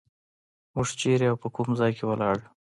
موږ چېرته او په کوم ځای کې ولاړ یو.